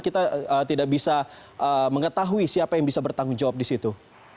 kita tidak bisa mengetahui siapa yang bisa bertanggung jawab di situ